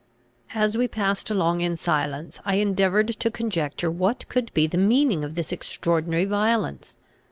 As we passed along in silence, I endeavoured to conjecture what could be the meaning of this extraordinary violence.